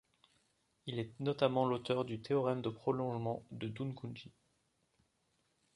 Il est notamment l'auteur du théorème de prolongement de Dungundji.